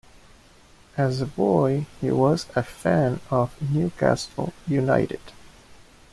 As a boy he was a fan of Newcastle United.